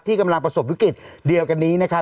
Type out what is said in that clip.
กำลังประสบวิกฤตเดียวกันนี้นะครับ